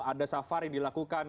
ada safari dilakukan